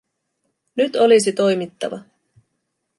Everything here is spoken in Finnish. Nyt olisi toimittava.